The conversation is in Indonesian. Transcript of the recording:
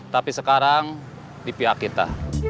tapi sekarang di pihak kita